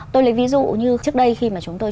tôi lấy ví dụ như trước đây khi mà chúng tôi